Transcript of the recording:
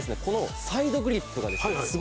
このサイドグリップがですね